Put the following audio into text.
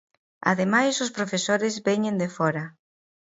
Ademais os profesores veñen de fóra.